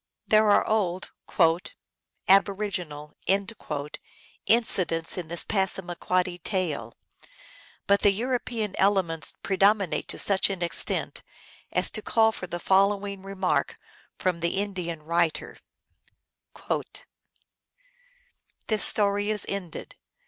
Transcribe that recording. There are old " aboriginal " inci dents in this Passamaquoddy tale, but the European elements predominate to such an extent as to call for the following remark from the Indian writer :" This story is ended.